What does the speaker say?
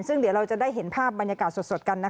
ซึ่งเดี๋ยวเราจะได้เห็นภาพบรรยากาศสดกัน